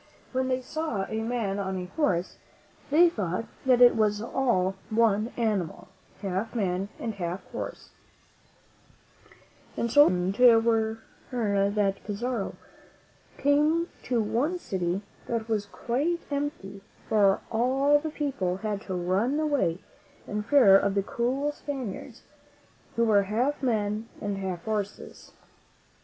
When they saw a man on a horse, they thought that it was all one animal, half man and half horse; and so frightened were they, that Pizarro came to one city that was quite empty, for all the people had run away in fear of the cruel Spaniards who were half men and half horses.